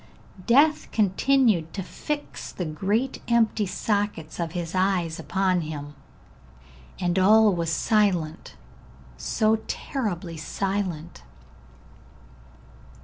Death continued to fix the great empty sockets of his eyes upon him, and all was silent, so terribly silent.